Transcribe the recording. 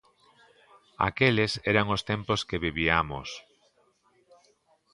Aqueles eran os tempos que viviamos.